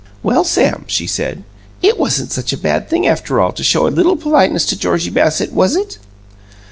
"Well, Sam," she said, "it wasn't such a bad thing, after all, to show a little politeness to Georgie Bassett, was it?"